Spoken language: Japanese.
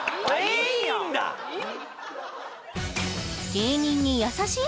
芸人に優しい？